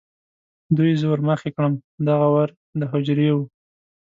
دوی زه ور مخې کړم، دغه ور د هوجرې و.